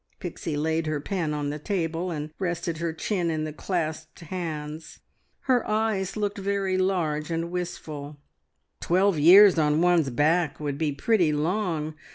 Pixie laid her pen on the table, and rested her chin in the clasped hands. Her eyes looked very large and wistful. "Twelve years on one's back would be pretty long.